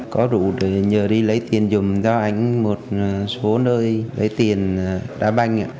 có rủ nhờ đi lấy tiền dùm cho anh một số nơi lấy tiền đá banh